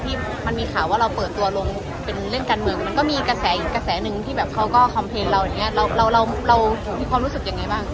มันก็มีกระแสหนึ่งกระแสหนึ่งที่แบบเขาก็คอมเพลย์เราอย่างเงี้ยเราเราเราถูกมีความรู้สึกยังไงบ้าง